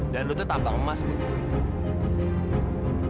dan lo tuh tampak emas buat gue